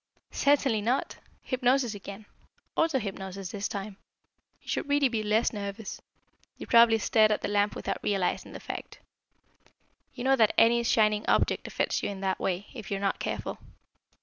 "Certainly not! Hypnosis again. Auto hypnosis this time. You should really be less nervous. You probably stared at the lamp without realising the fact. You know that any shining object affects you in that way, if you are not careful.